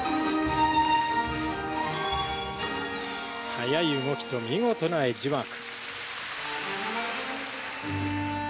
速い動きと見事なエッジワーク。